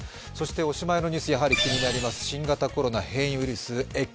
おしまいのニュース、やはり気になります新型コロナ変異ウイルスＸＥ。